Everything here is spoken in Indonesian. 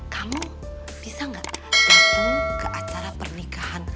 kamu bisa nggak datang ke acara pernikahan